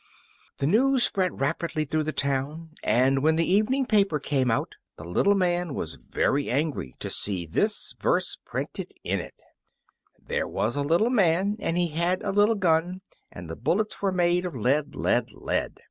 The news spread rapidly through the town, and when the evening paper came out the little man was very angry to see this verse printed in it: There was a little man and he had a little gun, And the bullets were made of lead, lead, lead.